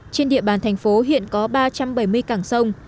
trên địa bàn thành phố hiện có ba trăm bảy mươi cảng sông